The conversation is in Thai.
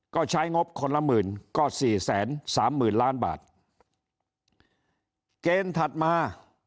ก็ใช้งบคนละหมื่นก็สี่แสนสามหมื่นล้านบาทเกณฑ์ถัดมา